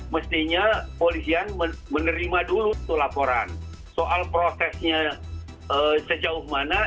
mestinya polisian menerima dulu tuh laporan soal prosesnya sejauh mana